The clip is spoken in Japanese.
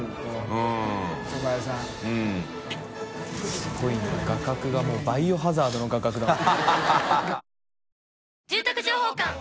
すごい画角がもう「バイオハザード」の画角だもん。